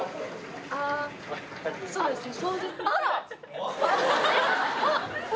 あそうですね。